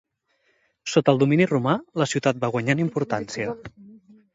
Sota el domini romà, la ciutat va guanyar en importància.